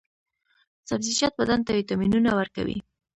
سبزیجات بدن ته ویټامینونه ورکوي.